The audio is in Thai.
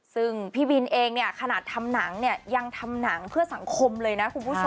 ซึ่งพี่บินเองเนี่ยขนาดทำหนังเนี่ยยังทำหนังเพื่อสังคมเลยนะคุณผู้ชม